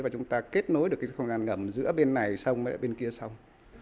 và chúng ta kết nối được không gian ngầm giữa bên này sông và bên kia sông